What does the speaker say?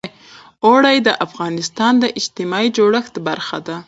اوړي د افغانستان د اجتماعي جوړښت برخه ده.